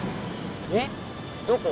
えっどこ？